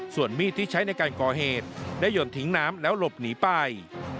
ส่วนมีดที่ใช้ในการก่อเหตุได้หยนทิ้งน้ำแล้วหลบหนีไป